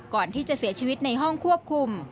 ก่อนที่จะเสียชีวิตในห้องควบคุม